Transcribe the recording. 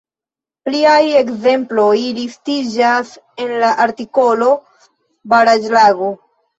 Pliaj ekzemploj listiĝas en la artikolo baraĵlago.